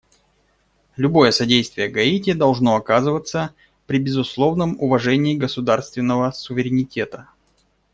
Любое содействие Гаити должно оказываться при безусловном уважении государственного суверенитета.